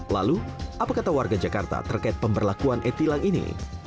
lalu apa kata warga jakarta terkait pemberlakuan e tilang ini